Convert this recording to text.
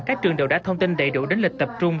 các trường đều đã thông tin đầy đủ đến lịch tập trung